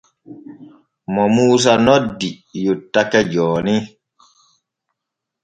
Mo Muusa noddi yottake jooni.